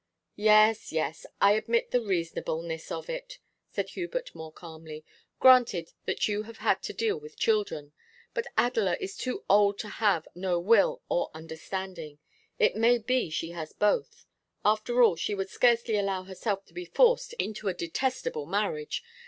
'Yes, yes; I admit the reasonableness of it,' said Hubert more calmly, 'granted that you have to deal with children. But Adela is too old to have no will or understanding. It may be she has both. After all she would scarcely allow herself to be forced into a detestable marriage.